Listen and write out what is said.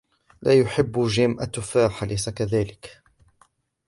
لا يحب جِم التفاح ، أليس كذلك ؟